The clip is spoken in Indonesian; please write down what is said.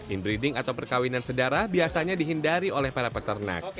inbreeding atau perkawinan sedara biasanya dihindari oleh para peternak